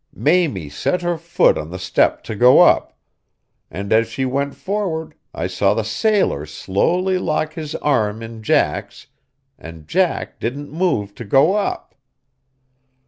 Mamie set her foot on the step to go up, and as she went forward I saw the sailor slowly lock his arm in Jack's, and Jack didn't move to go up.